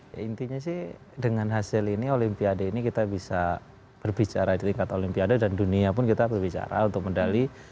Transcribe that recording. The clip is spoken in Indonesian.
ya intinya sih dengan hasil ini olimpiade ini kita bisa berbicara di tingkat olimpiade dan dunia pun kita berbicara untuk medali